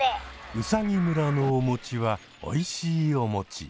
うさぎ村のおもちはおいしいおもち。